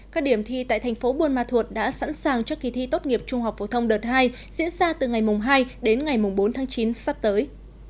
các điểm thi tại thành phố buôn ma thuột đã sẵn sàng cho kỳ thi tốt nghiệp trung học phổ thông đợt hai diễn ra từ ngày hai đến ngày bốn tháng chín sắp tới